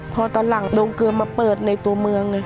พอตอนหลังโรงเกลือมาเปิดในตัวเมือง